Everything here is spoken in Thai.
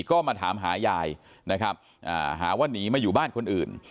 ก็มาถามหายายนะครับหาว่าหนีมาอยู่บ้านคนอื่น